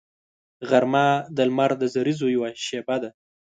غرمه د لمر د زریزو یوه شیبه ده